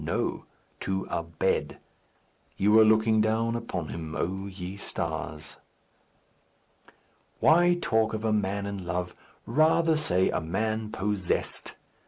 No. To a bed. You were looking down upon him, O ye stars. Why talk of a man in love? Rather say a man possessed.